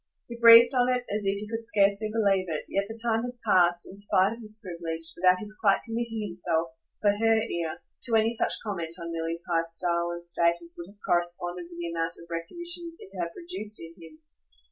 He breathed on it as if he could scarcely believe it, yet the time had passed, in spite of this privilege, without his quite committing himself, for her ear, to any such comment on Milly's high style and state as would have corresponded with the amount of recognition it had produced in him.